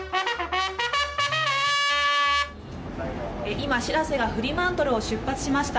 今、「しらせ」がフリマントルを出発しました。